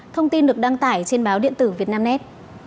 thông tin được đăng tải trên báo điện tử việt nam nét